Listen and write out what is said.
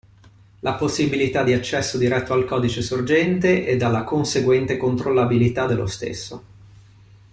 La possibilità di accesso diretto al codice sorgente e dalla conseguente controllabilità dello stesso.